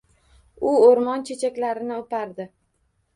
U oʻrmon chechaklarini oʻpardi.